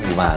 di mana tuh